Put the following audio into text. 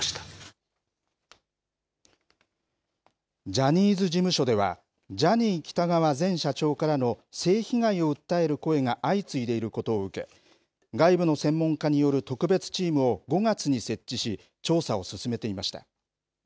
ジャニーズ事務所では、ジャニー喜多川前社長からの性被害を訴える声が相次いでいることを受け、外部の専門家による特別チームを５月に設置し、調査を進めていました。